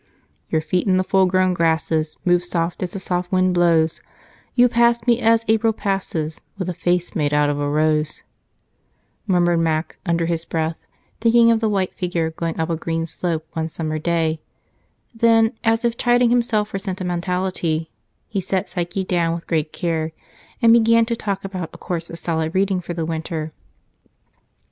"Your feet in the full grown grasses, Moved soft as a soft wind blows; You passed me as April passes, With a face made out of a rose," murmured Mac under his breath, thinking of the white figure going up a green slope one summer day; then, as if chiding himself for sentimentality, he set Psyche down with great care and began to talk about a course of solid reading for the winter.